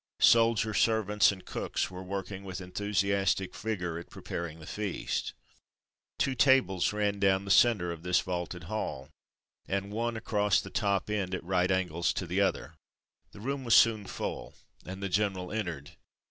Soldier servants and cooks were working with enthusiastic vigour at preparing the feast. Two tables ran down the centre of this vaulted hall, and one across the top end at right angles to the others. The room was soon full, and the general entered.